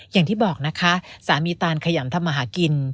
อย่างที่บอกนะคะสามีตานขยำทำมาหากิน